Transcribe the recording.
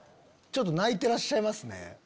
ちょっと泣いてらっしゃいますね。